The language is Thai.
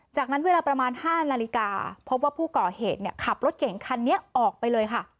จากนั้นเวลาประมาณ๕นาฬิกาพบว่าผู้ก่อเหตุขับรถเก่งคันนี้ออกไปเลยค่ะ